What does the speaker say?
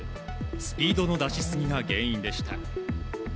スピードの出しすぎが原因でした。